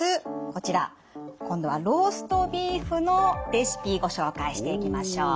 こちら今度はローストビーフのレシピご紹介していきましょう。